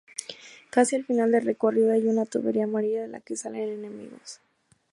Casi al final del recorrido hay una tubería amarilla de la que salen enemigos.